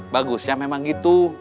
bagus ya memang gitu